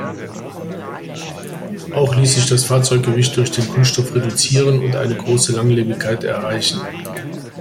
Auch ließ sich das Fahrzeuggewicht durch den Kunststoff reduzieren und eine große Langlebigkeit erreichen.